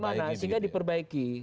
iya dimana sehingga diperbaiki